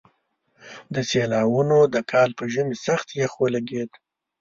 د سېلاوونو د کال په ژمي سخت يخ ولګېد.